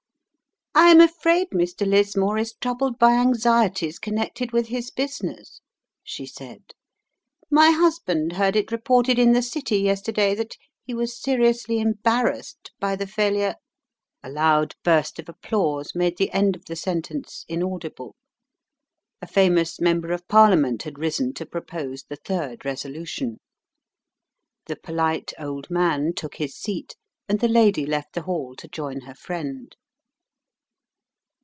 "I am afraid Mr. Lismore is troubled by anxieties connected with his business," she said. "My husband heard it reported in the City yesterday that he was seriously embarrassed by the failure " A loud burst of applause made the end of the sentence inaudible. A famous member of Parliament had risen to propose the third resolution. The polite old man took his seat, and the lady left the hall to join her friend.